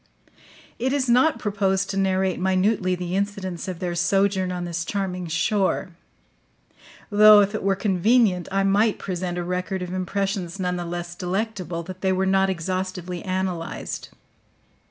It is not proposed to narrate minutely the incidents of their sojourn on this charming shore; though if it were convenient I might present a record of impressions nonetheless delectable that they were not exhaustively analyzed.